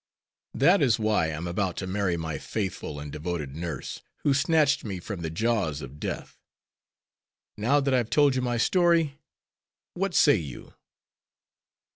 That is why I am about to marry my faithful and devoted nurse, who snatched me from the jaws of death. Now that I have told you my story, what say you?"